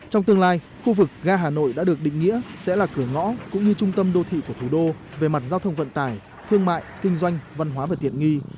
trong tương lai khu vực ga hà nội đã được định nghĩa sẽ là cửa ngõ cũng như trung tâm đô thị của thủ đô về mặt giao thông vận tải thương mại kinh doanh văn hóa và tiện nghi